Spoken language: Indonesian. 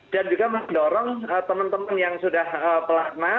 dan juga mendorong teman teman yang sudah pelatnah